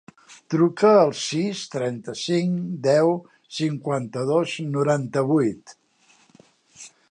Truca al sis, trenta-cinc, deu, cinquanta-dos, noranta-vuit.